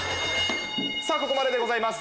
ここまででございます。